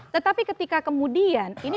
tetapi ketika kemudian ini